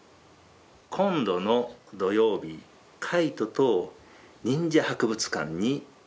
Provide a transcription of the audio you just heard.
今度の土曜日カイトと忍者博物館に行きます。